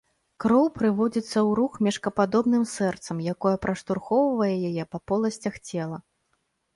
Кроў прыводзіцца ў рух мешкападобным сэрцам, якое праштурхоўвае яе па поласцях цела.